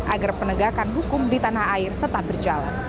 agar penegakan hukum di tanah air tetap berjalan